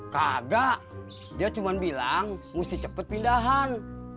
kagak dia cuma bilang mesti cepat pindahan